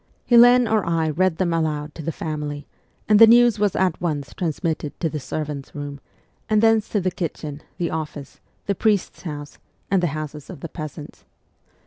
Helene or I read them aloud to the family, and the news was at once transmitted to the servants' room, and thence to the kitchen, the office, the priest's house, and the houses of the peasants.